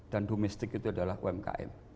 dan domestik itu adalah umkm